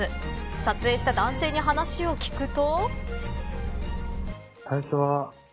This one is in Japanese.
撮影した男性に話を聞くと。